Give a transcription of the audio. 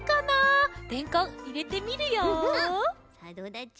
さあどうだち？